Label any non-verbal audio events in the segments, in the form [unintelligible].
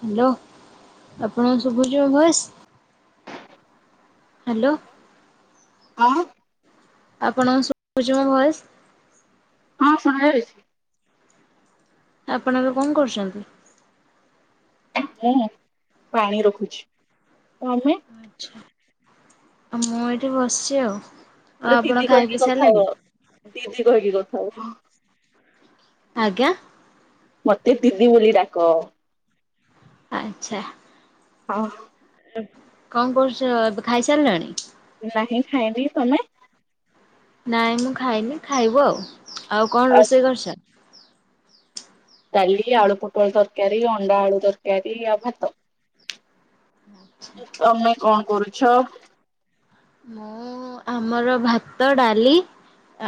Hello ଆପଣଙ୍କୁ ସୁଭଛି ମୋ ଭଏଶ ହାଲୋ। ହଁ ଆପଣଙ୍କୁ ଶୁଣୁଛି ମୋ ଭଏସ୍? ହଁ ଶୁଣା ଯାଉଛି। ଆପଣ ଏବେ କଣ କରୁଛନ୍ତି? ମୁଁ ପାଣି ରଖୁଛି [unintelligible] ଆଛା ଆଉ ମୁଁ ଏଠି ବସିଛି ଆଉ। ଆଉ ଆଲୋ ଆପଣ ଦିଦି ଖାଇ ପିଇ କହିକି ସାରିଲେଣି? କଥାହୁଅ ଦିଦି କହିକି କଥା ହଉ ଆଜ୍ଞା। ମତେ ଦିଦି ବୋଲି ଡାକ। ଆଚ୍ଛା। ହଁ। କଣ କରୁଛ ଏବେ ଖାଇସାରିଲଣି। ନାହିଁ ଖାଇନି ତମେ? ନାଇଁ ମୁଁ ଖାଇନି ଖାଇବୁ ଆଉ। ଆଉ କଣ ରୋଷେଇ କରିଛ? ଡଲି ଆଳୁ ପୋଟୋଳ ତରକାରୀ ଅଣ୍ଡା ଆଳୁ ତରକାରୀ ଆଉ ଭାତ। ତମେ କଣ କରୁଛ। ମୁଁ ଆମର ଭାତ ଡାଲି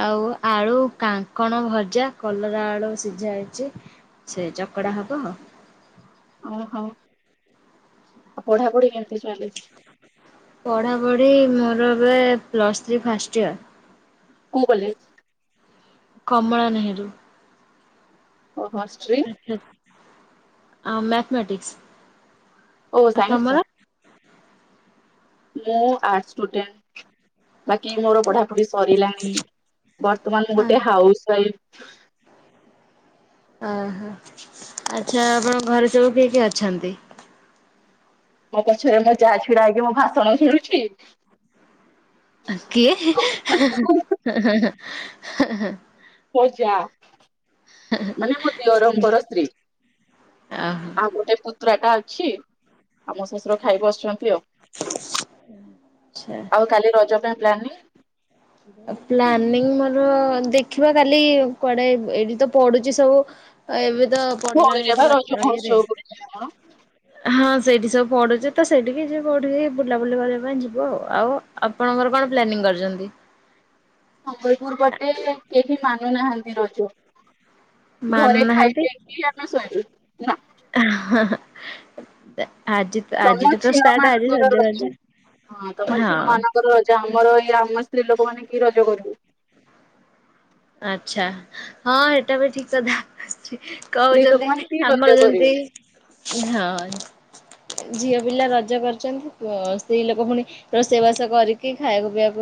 ଆଉ ଆଳୁ କାଙ୍କଣ ଭଜା କଲରା ଆଳୁ ସିଝା ହେଇଛି ସେ ଚକଡା ହବ। ଓହୋ ଆଉ ପଢାପଢି କେ ପଢାପଢି ମୋର ଏବେ ପ୍ଲସ୍ ଥ୍ରୀ ଫାଷ୍ଟ ଇୟର। କୋଉ କଲେଜ? କମଳା ନେହେରୁ। ଓହୋ ଷ୍ଟ୍ରି ଆଚ୍ଛା ଆଉ ମ୍ୟାଥମେଟିକ୍ସ୍। ଓ ସାଇନ୍ସ ର। ମୁଁ ଆର୍ସ ଷ୍ଟୁଡେଣ୍ଟ। ବାକି ମୋର ପଢାପୁଢି ସ୍ ସରିଲାଣି ବର୍ତ୍ତମାନ ଗୋଟେ ହାଉସ ୱାଇଫ। ହ। ଓହୋ ଆଚ୍ଛା ଆପଣ ଘରେ ସବୁ କିଏ କିଏ ଅଛନ୍ତି? ମୋ ପଛରେ ମୋ ଯାହା ଛିଡା ହେଇକି ମୋ ଭାଷଣ ଶୁଣୁଛି। କିଏ? ହେ ହେଁ। ମୋ ଜାଆ ମାନେ ମୋ ଦେଢ଼ଶୁର ସ୍ତ୍ରୀ। ଓହୋ ଆଉ ଗୋଟେ ପୁତୁରାଟା ଛି ଆଉ ମୋ ଶଶୁର ଖାଇ ବସଛନ୍ତି ଆଉ। ଆଚ୍ଛା। ଆଉ କାଲି ରଜ ପାଇଁ ପ୍ଲାନିଂ ଆଉ ପ୍ଲାନିଂ ମୋର ଦେଖିବା କାଲି କୁଆଡ଼େ ଏଇଠି ତ ପଡୁଚି ସବୁ ଏବେ ତ ପଡିଲାଣି ଭଳିରେ ଏଇଠି ପା ବାଟ ରଜ ଇଏରେ ମହୋତ୍ସବ ନାଁ କଣ? ହଁ ସେଇଠି ସବୁ ପଢୁଚି ତ ସେଠିକି ଯି ପଠିକି ବୁଲାବୁଲି କରିବା ପାଇଁ ଯିବୁ ଆଉ। ଆଉ ଆପଣଙ୍କର କଣ ପ୍ଲାନିଂ କରିଚନ୍ତି? ସମ୍ବଲପୁର ପଟେ କେହି ମାନୁନାହାଁ ଏ ରଜୁ ଘରେ ଖାଇ ପିଇ କି ଆମେ ଶୋଇବୁ। ନାଁ। ଦା ତମ ଝିଅମାନଙ୍କର ରଜ। ହଁ ତମ ହଁ ଝିଅମାନଙ୍କର ରଜ ଆମର ଏଇ ଆମ ସ୍ତ୍ରୀ ଲୋକମାନେ କି ରଜ କରିବୁ? ଆଚ୍ଛା ହଁ ହେଟା ବି ଠିକ କଥା। ଆସଚି ସ୍ତ୍ରୀ ଲୋକମାନେ କହୁଛନ୍ତି କି ରଜ ଆମର ଯେମତି କରିବେ। ହଁ। ଝିଅ ପିଲା ରଜ କରୁଚନ୍ତି। ଅ ସ୍ତ୍ରୀ ଲୋକମାନେ ରୋଷେଇ ବାସ କରିକି ଖାଇବାକୁ ପିଇବାକୁ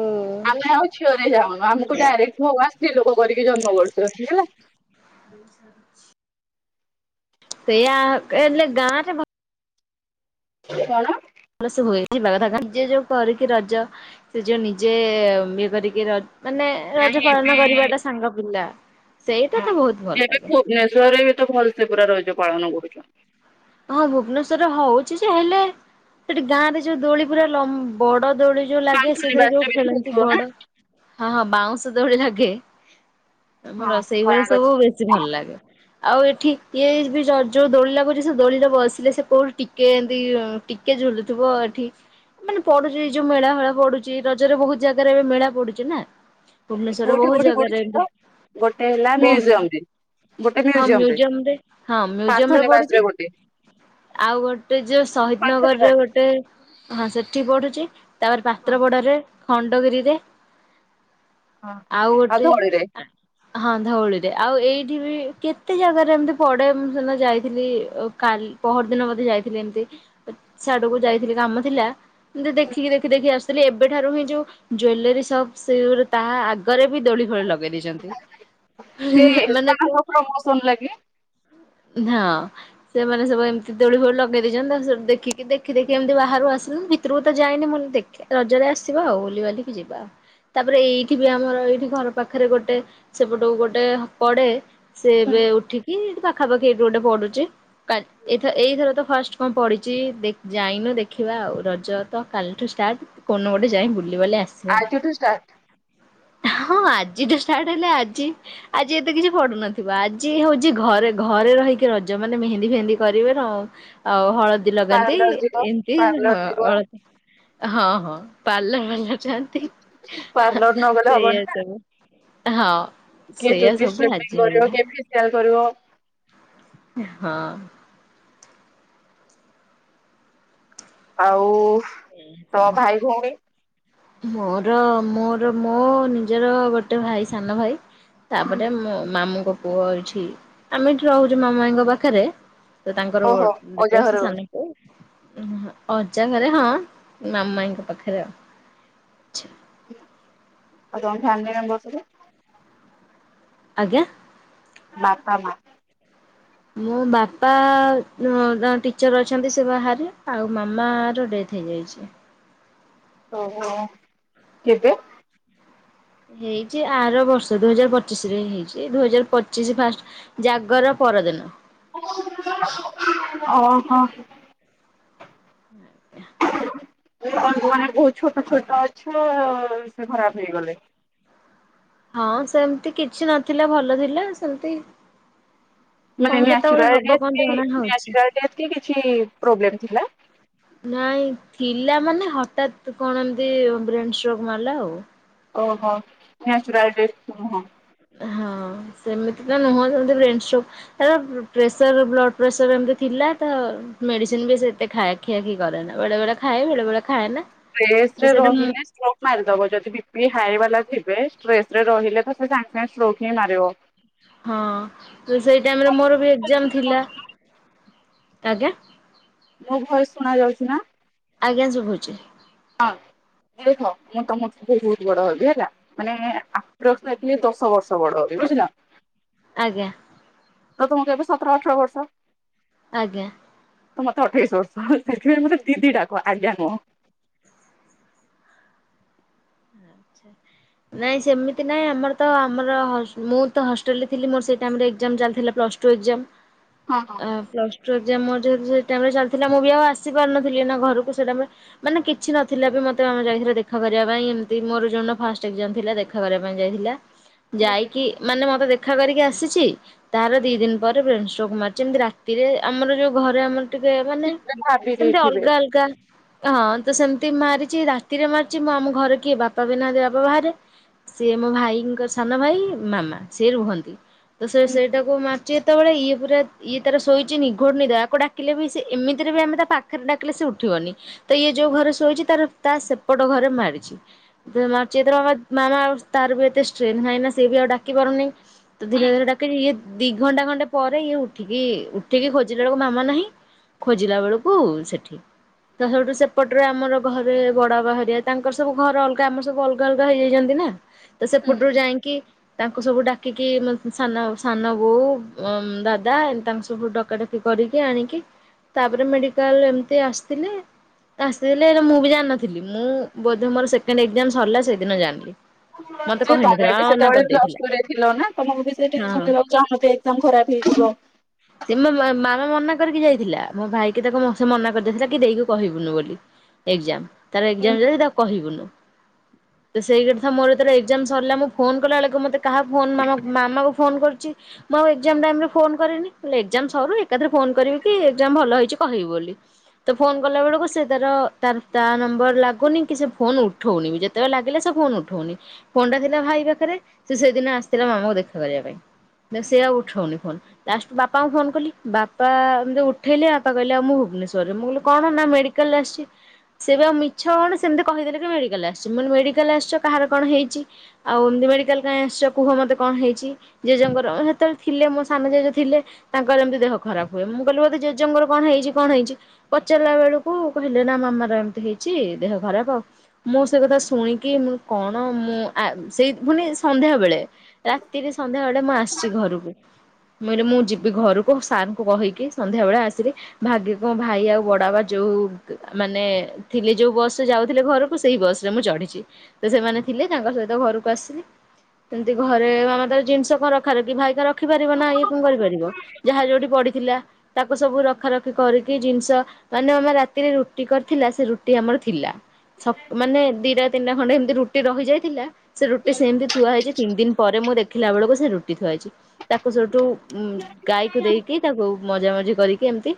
ଆମେ ଆଉ ଛୁଅ ଏ ଯାଉ ଅ ଆମୁକୁ ଡାଇରେକ୍ଟ ମୋ ଆସି ଲୋକ କରିକି ଜନ୍ମ କରୁଚନ୍ତି ହେଲା। ବୋହୁ ସାରୁଛି। ସେ ଆ ଏଲେ ଗାଁରେ ଭ କଣ? ଲସେ ହୁଏ ଏଇ ଲରଗାଁ ଳ ଯିଏ ଯୋଉ କରିକି ରଜ ସେ ଯୋଉ ନିଜେ ଇଏ କରିକି ର ମାନେ ନାଇଁ ରଜ ପାଳନ ଏବେ କରିବାଟା ସାଙ୍ଗ ପିଲା ସେଇଟା ହଁ ତ ବହୁତ ଭଲ ଏବେ ଲାଗେ। ଭୁବନେଶ୍ଵରରେ ବି ତ ଭଲସେ ପୁରା ରଜ ପାଳନ କରୁଛ ହଁ ଭୁବନେଶ୍ୱରରେ ହଉଛି ଯେ ହେଲେ ସେଠି ଗାଁ ରେ ଯୋଉ ଦୋଳି ପୁରା ଲମ୍ବ ବଡ ଦୋଳି ଯୋଉ ଲାଗେ କାନ୍ଥୁଲି ସେଥିରେ ଯୋଉ ବାଜ ବି ଖେଳନ୍ତି ହଉଥିବ ବଡ ହଁ ହଁ ବାଉଁଶ ଦୋଳି ଲାଗେ ଆମ ନା ହଁ ରୋଷେଇ କଳା ଭଳି ସବୁ ବେଶୀ ଭଲ ଗଛ ଲାଗେ ଆଉ ଏଠି ଇଏ ଯୋଉ ଦୋଳି ଲାଗୁଛି। ଦୋଳିରେ ବସିଲେ ସେ କହୁଠୁ ଟିକେ ଏମିତି ଟିକେ ଝୁଲୁଥିବ ଏଠି ମାନେ ପଡୁଛି ଏଇ ଯୋଉ ମେଳା ଫେଳା ପଡୁଛି ରଜରେ ବହୁତ ଜାଗାରେ ଏବେ ମେଳା ପଡୁଛି ନା। ଭୁବନେଶ୍ଵର କୋଉଠି ବହୁତ କୋଉଠି ଜାଗାରେ [inaudible] ପଡୁଛି ତ? ଗୋଟେ ହେଲା ମ୍ୟୁଜିୟମ ରେ ଗୋଟେ ହଁ ମ୍ୟୁଜିୟମ ରେ ମୁଜିୟମରେ ହଁ ମୁଜିୟମ ରେ ପାନ୍ଥନିବାସ ପଡିଛି। ଗୋଟେ ଆଉ ଗୋଟେ ଯୋଉ ଶହିଦ ନଗରରେ ପାନ୍ଥନିବାସ ଗୋଟେ ହଁ ସେଠି ପଢୁଛି [inaudible] ତାପରେ ହଁ ପାତ୍ର ପଡ଼ାରେ ଖଣ୍ଡଗିରିରେ। ହଁ ହଁ ଆଉ ଘଳିରେ ହଁ ଧଉଳିରେ ଆଉ ଏଇଠି ବି କେତେ ଜାଗାରେ ଏମତି ପଡେ ମୁଁ ସେଦିନ ଯାଇଥିଲି କାଲି ପହର ଦିନ ବୋଧେ ଯାଇଥିଲି ଏମିତି ସେଆଡକୁ ଯାଇଥିଲି କାମ ଥିଲା ଏମିତି ଦେଖିକି ଦେଖି ଦେଖି ଆସୁଥିଲି ଏବେଠାରୁ ହିଁ ଯୋଉ ଜୁଏଲରୀ ସପ୍ ସେ ତାହା ଆଗରେ ବି ଦୋଳି ଖୋଳି ଲାଗେ ମାନେ ସେପର ବସଣ ଲାଗେ [inaudible] ହଁ ସେମାନେ ସବୁ ଏମିତି ଦୋଳି ଫୋଳି ଲଗେଇ ଦେଇେଇଛନ୍ତି ତା ସବୁ ଦେଖିକି ଦେଖି ଦେଖି ଏମିତି ବାହାରୁକୁ ଆସଛନ୍ତି ଭିତରକୁ ତ ଯାଇନି ମୁନ ଦେଖ ରଜରେ ଆସିବା ଆଉ ବୁଲିିବାଲିିକି ଯିବା ଆଉ ତାପରେ ଏଇଠି ବି ଆମର ଏଇଠି ଘର ପାଖରେ ଗୋଟେ ସେପଟୁ ଗୋଟେ ପଡେ ସେ ଏବେ ଉଠିକି ଖାବାଖେଠୁ ଗୋଟେ ପଡୁଚି, କାଲି ଏଥ ଏଇଥର ତ ଫାଷ୍ଟ କଣ ପଡିଛି ଦେ ଯାଇନୁ ଦେଖିବା ଆଉ ରଜ ତ କାଲିଠୁ ଷ୍ଟାର୍ଟ କୋଉ ଦିନ ନୁ ଗୋଟେ ଯାଇ ବୁଲିବାଲେ ଆସିବା ଆଜିଠୁ ଷ୍ଟାର୍ଟ [inaudible] ହଁ ଆଜିଠୁ ଷ୍ଟାର୍ଟ ହେଲେ ଆଜି ଆଜି ଏତେ କିଛି ପଡୁନଥିବ ଆଜି ହଉଛି ଘରେ ଘରେ ରହିକି ରଜ ମାନେ ମେହେନ୍ଦି ଫେହନ୍ଦି କରିବେ ର ଆଉ ହଳଦୀ ଳଦି ଲଗାନ୍ତି ପାର୍ଲର ଯିବ ଏମିତି ପାର୍ଲର ଯିବ ହଳଦି [inaudible] ହଁ ହଁ ପାର୍ଲର୍ ପାର୍ଲର ନ ଗଲେ ସେଇଆ ହବନି ନା ସବୁ। ହଁ [inaudible] କିଏ ସେଇଆ ଚୁଟି ସବୁ ଆଜି ଷ୍ଟ୍ରେଙ୍ଗ୍ଥେନିଂ କରିବ, ହେଲା କିଏ ଫେସିଆଲ୍ କରିବ। ହଁ। ଆଉ ତ ଭାଇ ଭଉଣୀ ମୋର ମୋର ମୋ ନିଜର ଗୋଟେ ଭାଇ ସାନ ଭାଇ ତାପରେ ମୋ ମାମୁଁଙ୍କ ପୁଅ ପୁଅ ଏଠି ଆମେ ଏଠି ରହୁଚୁ, ମାମୁଁ ମାାଇଙ୍କ ପାଖରେ ତ ତାଙ୍କର ଓହୋ ଅଜା ଘରେ ବସ ରହୁଛି। ସାନକୁ ଅଜା ଘରେ ହଁ ମାମୁ ମାଇଁଙ୍କ ପାଖରେ [inaudible] [inaudible] ଆଉ ତମ ଫ୍ୟାମିଲି ମେମ୍ବର ସବୁ ଆଜ୍ଞା। [inaudible] ବାପା ମା ମୋ ବାପା ଟିଚର ଅଛନ୍ତି, ସେ ବାହାରେ ଆଉ ମାମ ର ଡେଥ ହେଇଯାଇଚି। [inaudible] ଓ କେବେ? ହେଇଛି ଆର ବର୍ଷ ଦୁଇ ହଜାର ପଚିଶରେ ହେଇଛି ଦୁଇ ହଜାର ପଚିଶ ଫାଷ୍ଟ ଜାଗର ପରଦିନ। [inaudible] ଓହୋ [inaudible] [unintelligible] ଛୋଟ ଛୋଟ। ଛୁ ସେ ଖରାପ ହେଇଗଲେ। ହଁ ସେମିତି କିଛି ନଥିଲା ଭଲ ଥିଲା ସେମତି [inaudible] ହଉଛି। ନାଇଁ ଥିଲା ମାନେ [unintelligible] ହଠାତ୍ କଣ ଏନ୍ତି ବ୍ରେନ ଷ୍ଟ୍ରକ୍ ମାରିଲା ଆଉ। ଓହୋ ନେଚୁରାଲ୍ ଡେଥ ହଁ। ହଁ ସେମିତି ତ ନୁହଁ ସେମିତି ବ୍ରେନଷ୍ଟ୍ରକ୍ ତାର ପ୍ରେସର ବ୍ଲଡ଼ ପ୍ରେସର ଏମିତି ଥିଲା, ତ ମେଡ଼ିସିନ ବି ସେତେ ଖାଇ ଖିଆ ଖି କରେନା ବେଳେ ବଳେ ଖାଏ ବେଳେ ବେଳେ ଖାଏନା। ତ [unintelligible] ସେଇଟା ମୁଁ ରହିଲେ [unintelligible] ମାରିଦବ ଯଦି ପି ହାଇ ଯିବେ୍ରେସ ରେ ରହିଲେ ତ ସାଙ୍ଗେ ସାଙ୍ଗେ ଷ୍ଟ୍ରୋକ ହିଁ ମାରିବ। ହଁ ତ ସେଇ ଟାଇମରେ ମୋର ବି ଏଜାମ ଥିଲା। [inaudible] ଆଜ୍ଞା। ମୋ ଭୟସ ଶୁଣା ଯାଉଚି ନା? ଆଜ୍ଞା ଶୁଭୁଛି। ହଁ [inaudible] ଦେଖ ମୁଁ ତମ ସ ବହୁତ ବଡ ହବି, ହେଲା ମାନେ ଆଠ ବଷିଲେ ଦଶ ବର୍ଷ ବଡ ହବ ବୁଝିଲ। ଆଜ୍ଞା। ତ ତୁମ କେ ଏବେ ସତର ଅଠର ବର୍ଷ। ଆଜ୍ଞା। ତ ମତେ ଅଠେଇଶି ବର୍ଷ ସେଥିପାଇଁ ମତେ ଦିଦିଟାକୁ ଆଜ୍ଞା ମୁୁହ। ନାଇଁ ସେମିତି ନାଇଁ ଆମର ତ ଆମର ମୁଁ ତ ହଷ୍ଟେଲରେ ଥିଲି ମୋର ସେ ଟାଇମ ରେ ଏକ୍ସମ୍ ଚାଲିଥିଲା ପ୍ଲସ ଟୁ ଏକ୍ସାମ। ହଁ ହଁ ଆ ପ୍ଲଷ୍ଟ ଟୁ ଯେ ମୋର ଯେହେତୁ ସେ ଟାଇମ ରେ ଚାଲିଥିଲା ମୁଁ ବି ଆଉ ଆସି ପାରୁନଥିଲି ନା ଘରକୁ ସେ ଟାଇମରେ ମାନେ କିଛି ନଥିଲା ବି ମତେ ଆମେ ଯାଇଥିଲା ଦେଖା କରିବା ପାଇଁ ଏମିତି ମୋର ଜ ଫାଷ୍ଟ। ଷ୍ଟକ୍ ଯ ଥିଲା ଦେଖା କରିବା ପାଇଁ ଯାଇଥିଲା। ଯାଇକି ମାନେ ମତେ ଦେଖ ରଖା କରିକି ଆସିଛି ତାର ଦି ଦିନ ପରେ ପ୍ରେଷ୍ଟ କମାର ଯେମତି ରାତିରେ ଆମର ଯୋଉ ଘରେ ଆମର। ଟିକେ ମାନେ ସେଟା ଭାବି ସେମତି ଦେଇଥିବେ। ଅଲଗା ଅଲଗା ହଁ ତ ସେମତି। ମାରିଛି ରାତିରେ ମାରିଛି ମୁଁ ଆମ ଘରେ କିଏ ବାପା ବି ନାହାନ୍ତି। ବାହାରେ ସିଏ ମୋ ଭାଇଙ୍କ ସାନ ଭାଇ ମାମା ସିଏ ରୁହନ୍ତି। ତ ସେ ସେଇଟାକୁ ମାରଚି ସେତେବେଳେ ଇଏ ପୁରା ଇଏ ତାର ଶୋଇଛି ନିଘୋଟ ନି ଦୟାକୁ ଡାକିଲେ ବି ସେ ଏମିତିରେ ବି ଆମେ ତା ପାଖରେ ଡାକିଲେ ସେ ଉଠିବନି ତ ଇଏ ଯୋଉ ଘରେ ଶୋଇଛି ତାର ତା ସେପଟ ଘରେ ମାରିଛି। ସେତର ମା ମାମା ଆଉ ତାର ବି ଏତେ ଷ୍ଟ୍ରେନ୍ ନାହିଁ ନା ସେଏ ବି ଆଉ ଡାକି ପାରୁନି ତ ଧୀରେ ଧୀରେ ଡାକି ଇଏ ଦି ଘଣ୍ଟା ଘଣ୍ଟା ପରେ ଇଏ ଉଠିକି ଉଠିକି ଖୋଜିଲା ବେଳକୁ ମାମା ନାହିଁ ଖୋଜିଲା ବେଳକୁ ସେଠି ତା ସବଠୁ ସେପଟରେ ଆମର ଘରେ ବଡ ବା ହରିଆ ତାଙ୍କର ସବୁ ଘର ଅଲଗା ଆମର ସବୁ ଅଲଗା ଅଲଗା ହେଇଯାଇଛନ୍ତି ନା ତ ସେପୁଟରୁ ଯାଇକି ତାଙ୍କୁ ସବୁ ଡାକିକି ସାନ ବୋଉ ଦାଦା ତାଙ୍କୁ ସବୁ ଡକାଡକି କରିକି ଆଣିକି ତାପରେ ମେଡିକାଲ ଏମତି ଆସିଥିଲେ ଆସିଥିଲେ ମୁଁ ବି ଜାିନଥିଲି ମୁଁ ବୋ ମୋର ସେକଣ୍ଡ ଏକ୍ଜାମ ସରିଲା ସେ ତମେ ବି ମାମା ମନା ସେତେବେଳେ କରିଦେଇଥିଲା ପ୍ଲସଟୁରେ ଥିଲ ନା ତମକୁ ସେ ଟେନସନ ହଁ। ଦେବାକୁ ଚାହୁଁ ନଥିବେ ତାଙ୍କୁ ଖରାପ ହେଇଥିବ। ସେ ମୋ ମାମା ମନା କରିକି ଯାଇଥିଲା ମୋ ଭାଇକି ତାକୁ ସେ ମନା କରିଦେଇଥିଲା କି ଦେଇକି କହିବୁନି ବୋଲି ଏଗଜାମ ତାର ଏକ୍ଜାମ ଯଦି ତାକୁ କହିବୁନୁ। ସେଇ କଥା ମୋର ଏଥର ଏଜାମ ସରିଲା ମୁ ଫୋନ କଲା ବେଳକୁ ମତେ କାହା ମାମା କୁ ଫୋନ କରୁଛି ମୁଁ ଆଉ ଏଜାମ ଟାଇମରେ ଫୋନ କରେନି। ଲେ ଏଜାମ ସରୁ ଏକାଥରେ ଫୋନ କରିବି କି ଏଜାମ ଭଲ ହେଇଛି କହିବି ବୋଲି ତ ଫୋନ କଲା ବେଳକୁ ସେ ତାର ତାର ତା ନମ୍ବର ଲାଗୁନି କି ସେ ଫୋନ ଉଠଉନି ଯେତେବେଳେ ଲାଗିଲେ ସେ ଫୋନ ଉଠଉନି ଫୋନ ଟା ଥିଲା ଭାଇ ପାଖରେ ସେ ସେଦିନ ଆସିଥିଲା ମାମାଙ୍କୁ ଦେଖା କରିବା ପାଇଁ ସେ ଆଉ ଉଠଉନି ଫୋନ ଲାଷ୍ଟ ବାପାଙ୍କୁ ଫୋନ କଲି ବାପା ଏମିତି ଉଠେଇଲେ ବାପା କହିଲେ ଆଉ ମୁଁ ଭୁବନେଶ୍ୱରରେ ମୁଁ କହିଲି କଣ ନା ମେଡ଼ିକାଲରେ ଆସିଛି ସେବେ ଆଉ ମିଛ କଣ ସେମିତି କହିଦେଲେ କି ମେଡ଼ିକାଲ ଆସିଛି ମୁଁ କହିଲି ମେଡ଼ିକାଲ ଆସିଛ କାହାର କଣ ହେଇଛି ଆଉ ଏମିତି ମେଡ଼ିକାଲ କାଇଁ ଆସିଛ କୁହ ମୋତେ କଣ ହେଇଛି ଜେଜେଙ୍କର ସେତେବେଳେ ଥିଲେ ମୋ ସାନ ଜେଜେ ଥିଲେ। ତାଙ୍କର ଏମିତି ଦେହ ଖରାପ ହୁଏ ମୁଁ କହିଲି ବୋଧେ ଜେଜେଙ୍କର କଣ ହେଇଛି କଣ ହେଇଛି ପଚାରିଲା ବେଳକୁ କହିଲେ ନା ମାମାର ଏମିତି ହେଇଛି ଦେହ ଖରାପ ଆଉ ମୁଁ ସେ କଥା ଶୁଣିକି ମୁ କଣ ମୁଁ ଆ ସେଇ ମାନେ ସନ୍ଧ୍ୟାବେଳେ ରାତିରେ ସନ୍ଧ୍ୟା ବଳେ ମୁଁ ଆସିଛି ଘରକୁ ମୁ କହିଲି ମୁଁ ଯିବି ଘରକୁ ସାରଙ୍କୁ କହିକି ସନ୍ଧ୍ୟା ବେଳେ ଆସିଲି ଭାଗି କଣ ଭାଇ ଆଉ ବଡ ବାପା ଯୋଉ ମାନେ ଥିଲେ ଯୋଉ ବସ ରେ ଯାଉଥିଲେ ଘରକୁ ସେଇ ବସ ରେ ମୁଁ ଚଢିଛି ତ ସେମାନେ ଥିଲେ ତାଙ୍କ ସହିତ ଘରକୁ ଆସିଲି, ସେମତି ଘରେ ମାମା ତାର ଜିନିଷ କଣ ରଖାରଖି ଭାଇ ତାର ରଖିପାରିବ ନା ଇଏ କଣ କରିପାରିବ। ଯାହା ଯଉଠି ପଡି ତାକୁ ସବୁ ରଖା ରଖି କରିକି ଜିନିଷ ମାନେ ଆମେ ରାତିରେ ରୁଟି କରିଥିଲା ସେ ରୁଟି ଆମର ଥିଲା ମାନେ ଦିଟା ତିନିଟା ଖଣ୍ଡେ ଏମତି ରୁଟି ରହିଯାଇଥିଲା ସେ ରୁଟି ସେମିତି ଥୁଆ ହେଇଛି ତିନି ଦିନ ପରେ ମୁଁ ଦେଖି ଖିଲା ବେଳକୁ ସେ ରୁଟି ଥୁଆ ହେଇଛି ତାକୁ ସେଠୁ ଉ ଗାଈକୁ ଦେଇକି ତାକୁ ମଜା ମଜି କରିକି ଏମିତି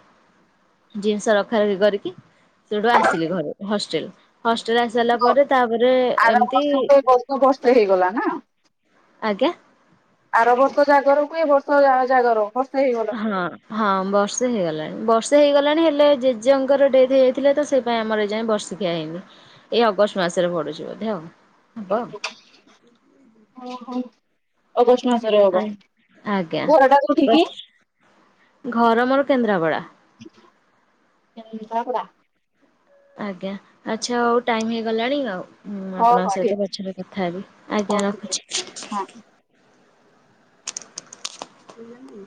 ଜିନିଷ ରଖା ରଖି କରିକି ସେଠୁ ଆସିଲି ଘରୁ ହଷ୍ଟେଲ ହଷ୍ଟେଲ ଆସି ସାରିଲା ପରେ ତାପରେ ଆର ଏମିତି ବର୍ଷ କୁ ଏ ବର୍ଷ ବର୍ଷେ ହେଇଗଲା ନା। ଆଜ୍ଞା। ଆର ବର୍ଷ ଜାଗରକୁୁ ଏ ବର୍ଷ ତ ଯାହା ଜାଗର ହେଇଗଲା। ହଁ ହଁ ବର୍ଷେ ହେଇଗଲାଣି ବର୍ଷ ସେ ହେଇଗଲାଣି ହେଲେ ଜେଜେଙ୍କର ଡେଥ ହେଇଯାଇଥିଲା ତ ସେଇ ପାଇଁ ଆମର ଏଇଯାଏ ବର୍ଷିକିଆ ହେଇନି ଏଇ ଅଗଷ୍ଟ ମାସରେ ପଡୁଛି ବୋଧେ ଆଉ। ହବ ଓ ହୋ। ଅଗଷ୍ଟ ମାସରେ ହବ ଆ ଆଜ୍ଞା ଘରଟା କୋଉଠିକି? ଘର ମୋର କେନ୍ଦ୍ରାପଡା। କେନ୍ଦ୍ରାପଡ଼ା। ଆଜ୍ଞା ଆଚ୍ଛା ଆଉ ଟାଇମ ହେଇଗଲାଣି ଆଉ ହୁଁ ହଁ ଆପଣଙ୍କ ହଁ ଠିକ ସହିତ ପଛରେ କଥା ହେବି ହଉ ଆଜ୍ଞା ଠିକ ଅଛି ହଁ। ରଖୁଛି। ବୁଝିଲୁ ଟି।